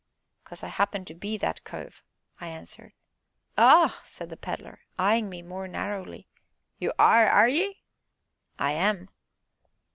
"Because I happen to be that cove," I answered. "Oh!" said the Pedler, eyeing me more narrowly; "you are, are ye?" "I am!"